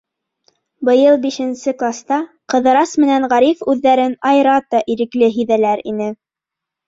Быйыл бишенсе класта Ҡыҙырас менән Ғариф үҙҙәрен айырата ирекле һиҙәләр ине.